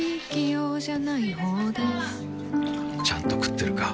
ちゃんと食ってるか？